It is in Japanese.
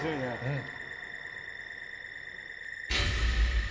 うん。